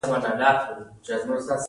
د پانګې راټولونه د پانګې زیاتېدل دي